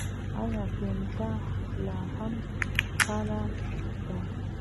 آیا فینکا لا هم فعاله ده؟